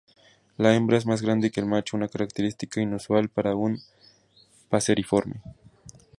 La hembra es más grande que el macho, una característica inusual para un paseriforme.